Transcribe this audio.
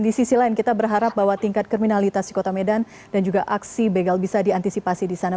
di sisi lain kita berharap bahwa tingkat kriminalitas di kota medan dan juga aksi begal bisa diantisipasi di sana